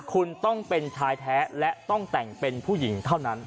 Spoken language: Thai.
คุณต้องเป็นชายแท้และต้องแต่งเป็นผู้หญิงเท่านั้น